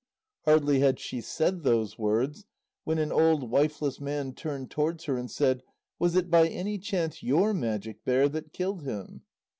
Hardly had she said those words when an old wifeless man turned towards her and said: "Was it by any chance your Magic Bear that killed him?"